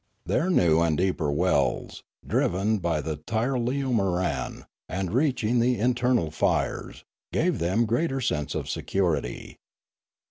Their new and deeper wells, driven by the tirleo moran, and reaching the internal fires, gave them greater sense of security.